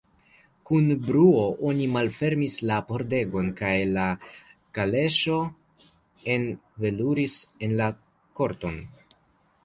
Kun bruo oni malfermis la pordegon, kaj la kaleŝo enveluris en la korton.